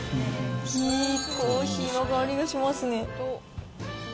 いいコーヒーの香りがしますね。